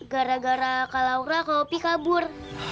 gara gara kak laura kak opie kabur